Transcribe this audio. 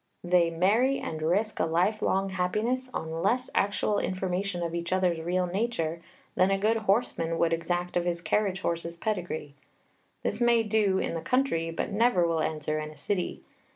They marry and risk a life long happiness on less actual information of each other's real nature than a good horseman would exact of his carriage horse's pedigree. This may do in the country, but never will answer in a city.